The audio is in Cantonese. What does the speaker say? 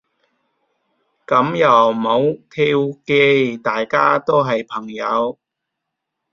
噉又唔好挑機。大家都係朋友